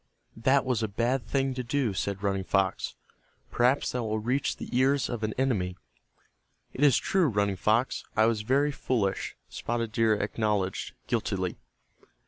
"That was a bad thing to do," said Running Fox. "Perhaps that will reach the ears of an enemy." "It is true, Running Fox, I was very foolish," Spotted Deer acknowledged, guiltily.